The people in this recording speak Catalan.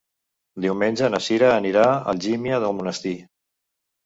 Diumenge na Cira anirà a Algímia d'Almonesir.